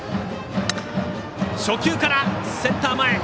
初球からセンター前へ！